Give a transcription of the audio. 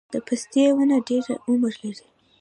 د پستې ونه ډیر عمر لري؟